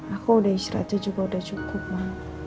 aku udah istirahatnya juga udah cukup mah